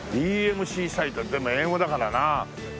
「ＥＭＣサイト」でも英語だからなあ。